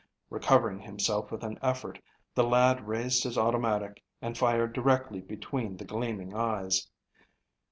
Recovering himself with an effort, the lad raised his automatic and fired directly between the gleaming eyes.